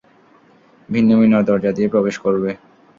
ভিন্ন ভিন্ন দরজা দিয়ে প্রবেশ করবে।